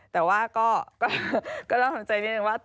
แต่ว่าก็ต้องทำใจนิดนึงว่า